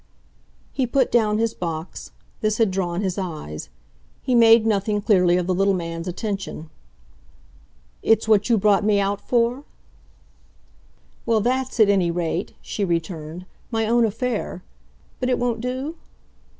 He put down his box this had drawn his eyes. He made nothing, clearly, of the little man's attention. "It's what you brought me out for?" "Well, that's, at any rate," she returned, "my own affair. But it won't do?"